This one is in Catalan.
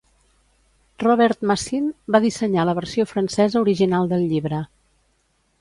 Robert Massin va dissenyar la versió francesa original del llibre.